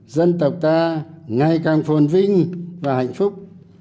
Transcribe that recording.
dân tộc ta ngày càng phồn vinh và hạnh phúc